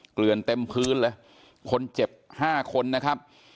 เกลือนเต็มพื้นเลยคนเจ็บห้าคนนะครับ